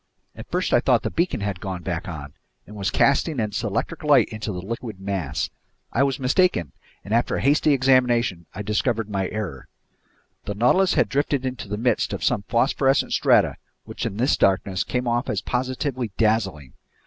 At first I thought the beacon had gone back on and was casting its electric light into the liquid mass. I was mistaken, and after a hasty examination I discovered my error. The Nautilus had drifted into the midst of some phosphorescent strata, which, in this darkness, came off as positively dazzling.